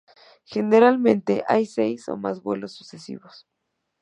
Generalmente hay seis o más vuelos sucesivos.